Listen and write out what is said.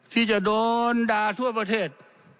ที่จะโดนด่าทั่วประเทศ